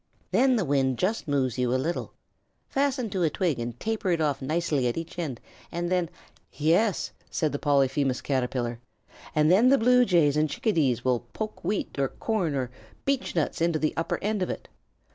"Then the wind just moves you a little. Fasten it to a twig and taper it off nicely at each end, and then " "Yes," said the Polyphemus Caterpillar, "and then the Blue Jays and Chickadees will poke wheat or corn or beechnuts into the upper end of it.